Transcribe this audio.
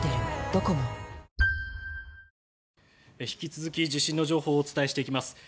引き続き地震の情報をお伝えしていきます。